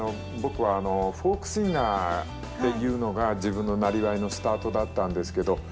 僕はフォークシンガーっていうのが自分のなりわいのスタートだったんですけど。